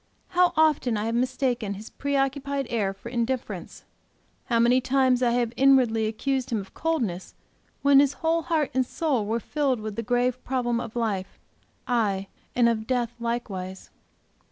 How often I have mistaken his preoccupied air for indifference; how many times I have inwardly accused him of coldness, when his whole heart and soul were filled with the grave problem of life, aye, and of death likewise.